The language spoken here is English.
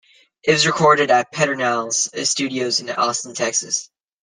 It was recorded at Pedernales Studios in Austin, Texas.